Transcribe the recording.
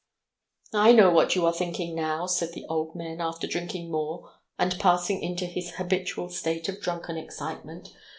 "I know what you are thinking now!" said the old man, after drinking more and passing into his habitual state of drunken excitement.